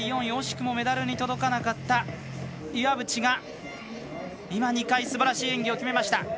惜しくもメダルに届かなかった岩渕が今、２回、すばらしい演技を決めました。